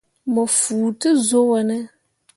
Mo fuu te zuu wo ne ?